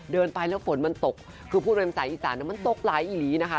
เดินไปแล้วฝนมันตกคือผู้เป็นสายอีสานมันตกหลายอีหลีนะคะ